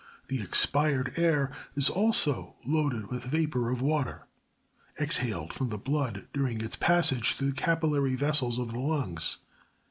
31. The expired air is also loaded with vapor of water exhaled from the blood dining its passage through the capillary vessels of the lungs.